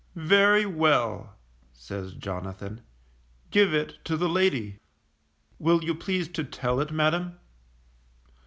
Very well_, says Jonathan, _give it to the lady. Will you please to tell it, madam?